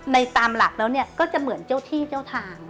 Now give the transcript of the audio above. ตามหลักแล้วเนี่ยก็จะเหมือนเจ้าที่เจ้าทาง